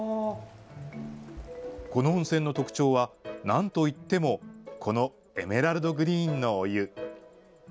この温泉の特徴は、なんといっても、このエメラルドグリーンのお湯。